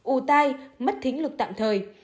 ù tai mất thính lực tạm thời